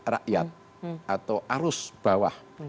rakyat atau arus bawah